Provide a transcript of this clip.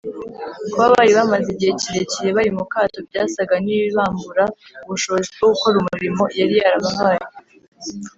kuba bari bamaze igihe kirekire bari mu kato byasaga n’ibibambura ubushobozi bwo gukora umurimo yari yabahaye